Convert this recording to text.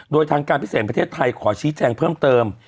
โดยทางการพิเศษประเทศไทยขอชี้แจงเพิ่มเติม